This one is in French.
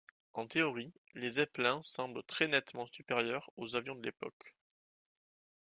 En théorie, les Zeppelins semblent très nettement supérieurs aux avions de l'époque.